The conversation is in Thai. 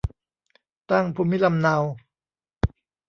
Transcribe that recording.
ตั้งภูมิลำเนา